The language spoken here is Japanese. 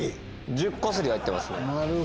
１０こすり入ってますね。